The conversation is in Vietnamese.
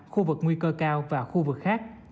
khu vực nguy cơ cao và khu vực khác